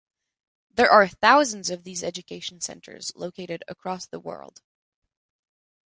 There are thousands of these education centers located across the world.